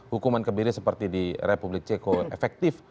hukuman kebiri seperti di republik ceko efektif